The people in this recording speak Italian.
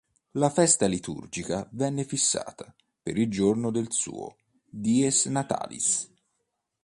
La festa liturgica venne fissata per il giorno del suo "dies natalis".